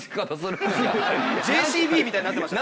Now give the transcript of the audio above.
ＪＣＢみたいになってました。